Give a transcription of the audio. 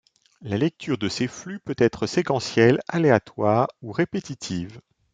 La lecture de ses flux peut être séquentielle, aléatoire, ou répétitive.